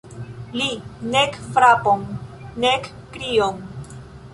Li: nek frapon, nek krion.